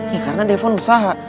ya karena devon usaha